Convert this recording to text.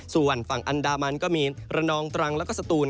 ส่วนฝั่งอันดามันก็มีระนองตรังสตูล